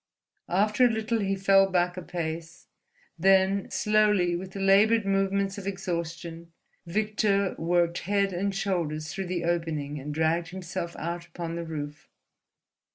After a little he fell back a pace. Then slowly, with the laboured movements of exhaustion, Victor worked head and shoulders through the opening and dragged himself out upon the roof.